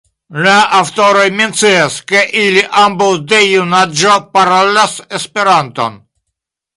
La aŭtoroj mencias, ke ili ambaŭ de junaĝo parolas Esperanton.